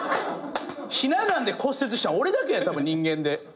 ひな壇で骨折したん俺だけやたぶん人間で。